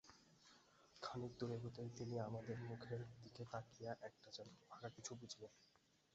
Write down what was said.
খানিক দূর এগোতেই তিনি আমাদের মুখের দিকে তাকাইয়া একটা যেন ফাঁকা কিছু বুঝিলেন।